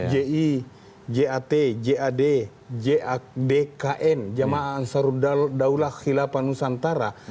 ji jat jad dkn jamaah ansaruddaulah khilafah nusantara